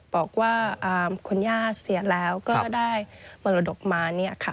บอกว่าคุณญ่าเสียแล้วก็ได้มรดกมา